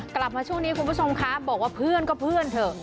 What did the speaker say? กลับมาช่วงนี้คุณผู้ชมคะบอกว่าเพื่อนก็เพื่อนเถอะ